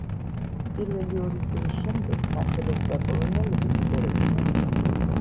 პირველი ორი ტურის შემდეგ ქართველები და პოლონელები ლიდერობდნენ.